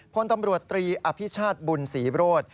พลตำรวจตรีอภิชาติบุญศรีโรธ